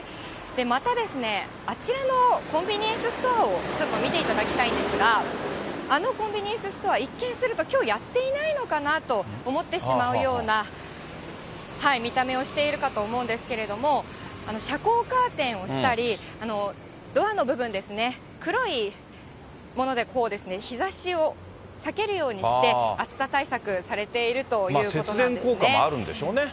またですね、あちらのコンビニエンスストアをちょっと見ていただきたいんですが、あのコンビニエンスストア、一見すると、きょうやっていないのかなと思ってしまうような見た目をしているかと思うんですけれども、遮光カーテンをしたり、ドアの部分ですね、黒いもので日ざしを避けるようにして、暑さ対策されているということなんですね。